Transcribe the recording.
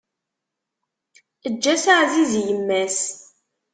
Eǧǧ-as aɛziz i yemma-s.